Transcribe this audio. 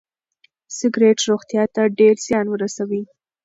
سګریټ روغتیا ته ډېر زیان رسوي.